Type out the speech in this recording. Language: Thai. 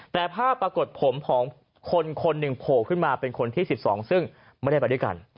แต่ภาพปรากฏผมของคนคนหนึ่งโผล่ขึ้นมาเป็นคนที่๑๒ซึ่งไม่ได้ไปด้วยกัน